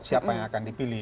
siapa yang akan dipilih